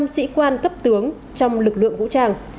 năm sĩ quan cấp tướng trong lực lượng vũ trang